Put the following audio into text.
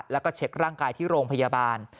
แล้วก็เช็คร่างกายที่โรงพยาบาล